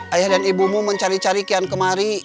ayah dan ibumu mencari cari kian kemari